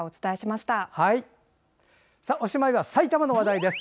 おしまいは埼玉の話題です。